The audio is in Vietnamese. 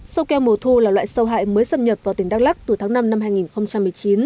sâu keo mùa thu là loại sâu hại mới xâm nhập vào tỉnh đắk lắc từ tháng năm năm hai nghìn một mươi chín